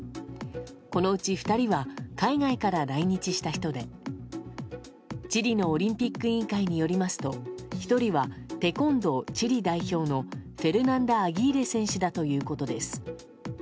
このうち２人は海外から来日した人でチリのオリンピック委員会によりますと１人はテコンドーチリ代表のフェルナンダ・アギーレ選手だということです。